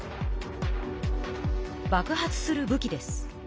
爆発する武器です。